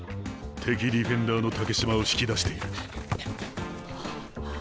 敵ディフェンダーの竹島を引き出している。